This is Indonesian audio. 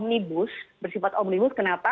omnibus bersifat omnibus kenapa